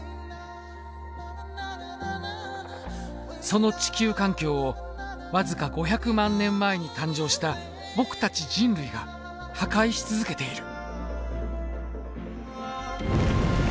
その地球環境を僅か５００万年前に誕生した僕たち人類が破壊し続けている。